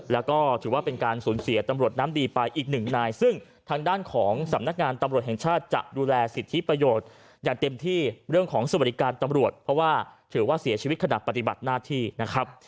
แล้วก็ถือว่าเป็นการสูญเสียตำรวจน้ำดีไปอีกหนึ่งนายซึ่งทางด้านของสำนักงานตำรวจแห่งชาติจะดูแลสิทธิประโยชน์อย่างเต็มที่เรื่องของสวัสดิการตำรวจเพราะว่าถือว่าเสียชีวิตขณะปฏิบัติหน้าที่นะครับ